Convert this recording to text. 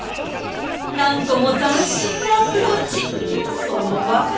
なんとも斬新なアプローチ